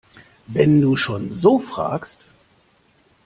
Wenn du schon so fragst!